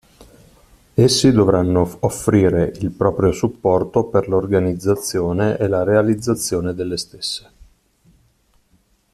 Essi dovranno offrire il proprio supporto per l'organizzazione e la realizzazione delle stesse.